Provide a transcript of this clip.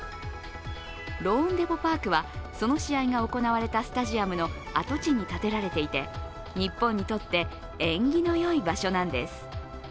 ローンデポ・パークはその試合が行われたスタジアムの跡地に建てられていて日本にとって縁起のよい場所なんです。